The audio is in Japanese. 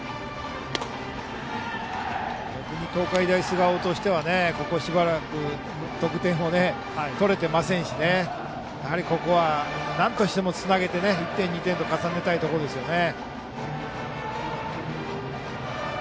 逆に東海大菅生としてはここしばらく得点を取れていませんしここは、なんとしてもつなげて１点、２点と重ねたいところですね。